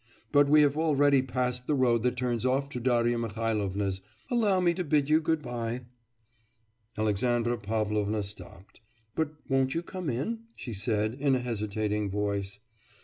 But we have already passed the road that turns off to Darya Mihailovna's. Allow me to bid you good bye.' Alexandra Pavlovna stopped. 'But won't you come in?' she said in a hesitating voice.